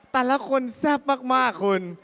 แต่ละคนแซ่บมากคุณ